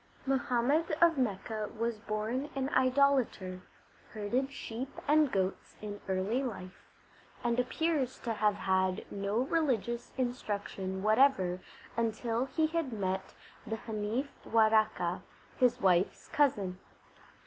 Muhammad of Makka was born an idolater, herded sheep and goats in early life, and appears to have had no religious instruction whatever until he had met the Hanif Waraka, his wife s cousin.